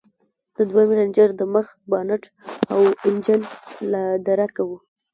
د دويم رېنجر د مخ بانټ او انجن لادرکه و.